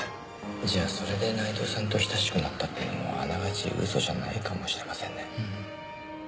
じゃあそれで内藤さんと親しくなったっていうのもあながち嘘じゃないかもしれませんね。